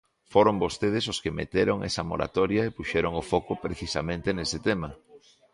Foron vostedes os que meteron esa moratoria e puxeron o foco precisamente nese tema.